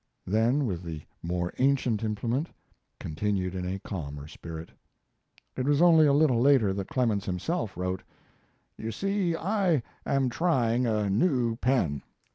Then, with the more ancient implement, continued in a calmer spirit. It was only a little later that Clemens himself wrote: You see I am trying a new pen.